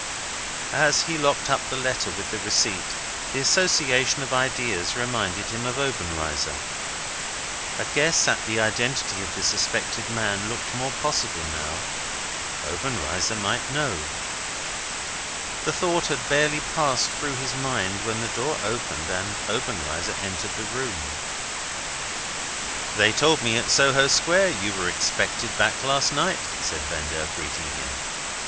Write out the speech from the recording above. As he locked up the letter with the receipt, the association of ideas reminded him of Obenreizer. A guess at the identity of the suspected man looked more possible now. Obenreizer might know. The thought had barely passed through his mind, when the door opened, and Obenreizer entered the room. "They told me at Soho Square you were expected back last night," said Vendale, greeting him.